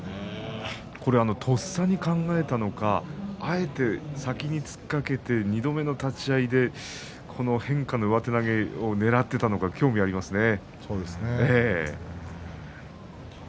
とっさに考えたのかあえて先に突っかけて２度目の立ち合いでこの変化をねらっていったのか興味がありますね。